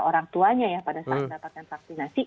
orang tuanya ya pada saat mendapatkan vaksinasi